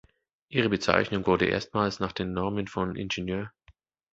Ihre Bezeichnung wurde erstmals nach den Normen von Ing.